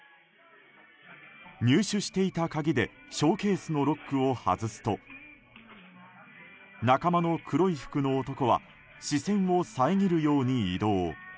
入手していた鍵でショーケースのロックを外すと仲間の黒い服の男は視線を遮るように移動。